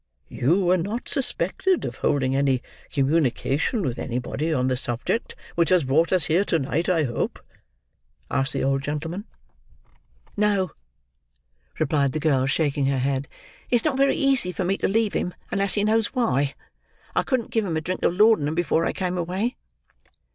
"You were not suspected of holding any communication with anybody on the subject which has brought us here to night, I hope?" asked the old gentleman. "No," replied the girl, shaking her head. "It's not very easy for me to leave him unless he knows why; I couldn't give him a drink of laudanum before I came away."